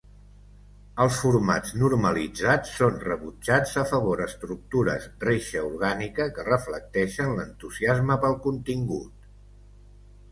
Els formats normalitzats són rebutjats a favor estructures reixa orgànica que reflecteixen l'entusiasme pel contingut.